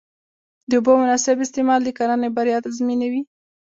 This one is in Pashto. د اوبو مناسب استعمال د کرنې بریا تضمینوي.